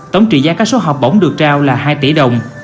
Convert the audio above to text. tổng trị giá các số học bổng được trao là hai tỷ đồng